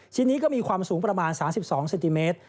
ชิ้นนี้ก็มีความสูงประมาณ๓๒เซนติเมตร